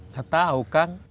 gak tau kang